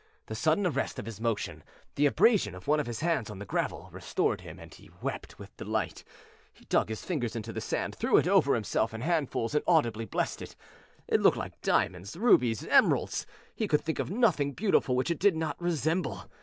The sudden arrest of his motion, the abrasion of one of his hands on the gravel, restored him, and he wept with delight. He dug his fingers into the sand, threw it over himself in handfuls and audibly blessed it. It looked like diamonds, rubies, emeralds; he could think of nothing beautiful which it did not resemble.